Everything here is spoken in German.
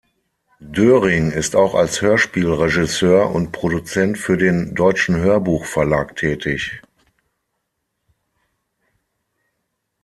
Döring ist auch als Hörspiel-Regisseur und Produzent für den Deutschen Hörbuch Verlag tätig.